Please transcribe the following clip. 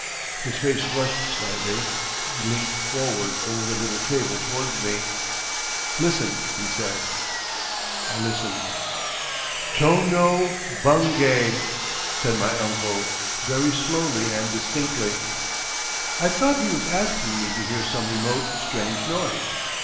His face flushed slightly, he leant forward over the little table towards me. "Listen!" he said. I listened. "Tono Bungay," said my uncle very slowly and distinctly. I thought he was asking me to hear some remote, strange noise.